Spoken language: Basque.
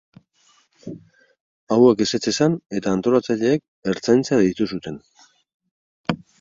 Hauek ezetz esan eta antolatzaileek Ertzaintza deitu zuten.